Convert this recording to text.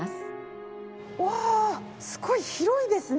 わあすごい広いですね。